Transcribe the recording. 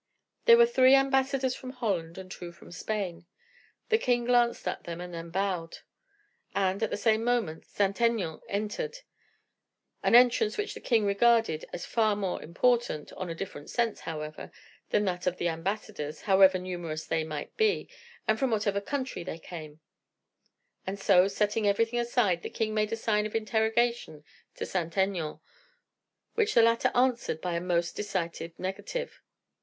There were three ambassadors from Holland, and two from Spain. The king glanced at them, and then bowed; and, at the same moment, Saint Aignan entered, an entrance which the king regarded as far more important, in a different sense, however, than that of ambassadors, however numerous they might be, and from whatever country they came; and so, setting everything aside, the king made a sign of interrogation to Saint Aignan, which the latter answered by a most decisive negative.